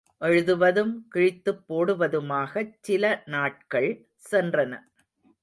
எழுதுவதும், கிழித்துப் போடுவதுமாகச் சிலநாட்கள் சென்றன.